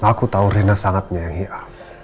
aku tau rena sangatnya yang iya